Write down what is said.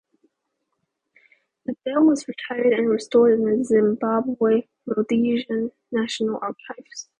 The bell was retired and stored in the Zimbabwe Rhodesian National Archives.